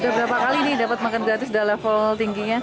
udah berapa kali nih dapat makan gratis udah level tingginya